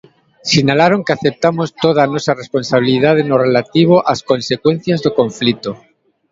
Sinalaron que aceptamos toda a nosa responsabilidade no relativo ás consecuencias do conflito.